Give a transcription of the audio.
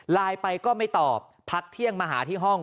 ไลน์ไปก็ไม่ตอบพักเที่ยงมาหาที่ห้อง